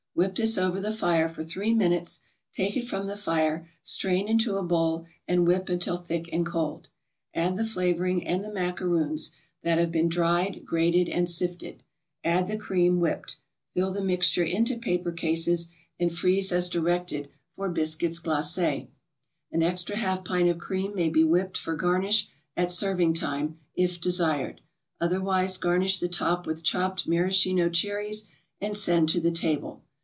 Whip this over the fire for three minutes, take it from the fire, strain into a bowl, and whip until thick and cold. Add the flavoring and the macaroons, that have been dried, grated and sifted. Add the cream, whipped. Fill the mixture into paper cases, and freeze as directed for Biscuits Glacés. An extra half pint of cream may be whipped for garnish at serving time, if desired; otherwise, garnish the top with chopped maraschino cherries, and send to the table.